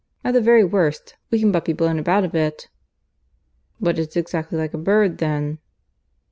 At the very worst, we can but be blown about a bit." "But it's exactly like a bird, then."